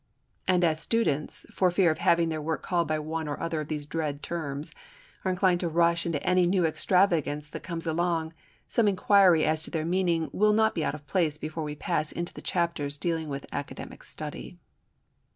And as students, for fear of having their work called by one or other of these dread terms, are inclined to rush into any new extravagance that comes along, some inquiry as to their meaning will not be out of place before we pass into the chapters dealing with academic study.